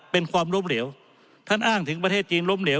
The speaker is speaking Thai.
เป็นความล้มเหลวท่านอ้างถึงประเทศจีนล้มเหลว